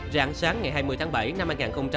rạng sáng ngày hai mươi tháng bảy năm hai nghìn hai mươi